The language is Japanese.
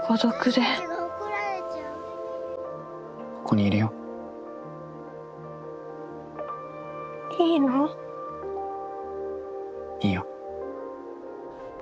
ここにいるよ。いいの？いいよ。